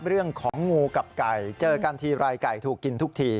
เรื่องของงูกับไก่เจอกันทีไรไก่ถูกกินทุกที